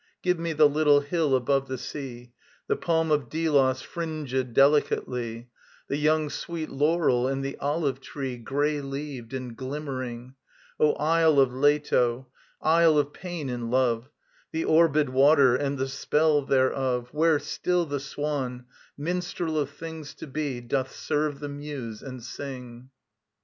Give me the little hill above the sea, The palm of Delos fringed delicately, The young sweet laurel and the olive tree Grey leaved and glimmering; O Isle of Leto, Isle of pain and love; The Orbed Water and the spell thereof; Where still the Swan, minstrel of things to be, Doth serve the Muse and sing!